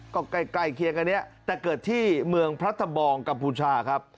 ก็ใกล้เคียงกันเนี่ยแต่เกิดที่เมืองพระทะบองกัมพูชาครับ